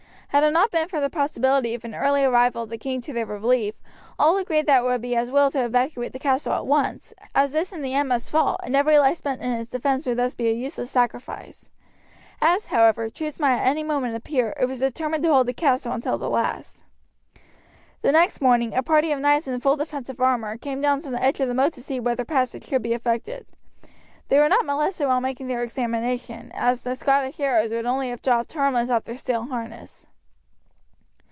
Had it not been for the possibility of an early arrival of the king to their relief all agreed that it would be as well to evacuate the castle at once, as this in the end must fall, and every life spent in its defence would thus be a useless sacrifice. As, however, troops might at any moment appear, it was determined to hold the castle until the last. The next morning a party of knights in full defensive armour came down to the edge of the moat to see whether passage could be effected. They were not molested while making their examination, as the Scottish arrows would only have dropped harmless off their steel harness.